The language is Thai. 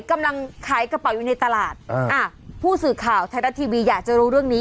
กำลังขายกระเป๋าอยู่ในตลาดอ่าผู้สื่อข่าวไทยรัฐทีวีอยากจะรู้เรื่องนี้